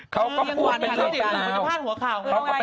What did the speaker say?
เขาก็พูดเป็นเรื่องที่จะพลาดหัวข่าว